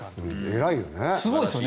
偉いよね。